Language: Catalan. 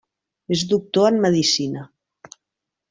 És doctor en medicina.